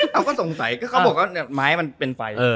เราก็สงสัยก็เขาบอกว่าไม้มันเป็นไฟ